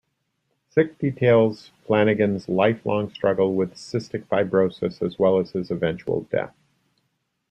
"Sick" details Flanagan's lifelong struggle with cystic fibrosis, as well as his eventual death.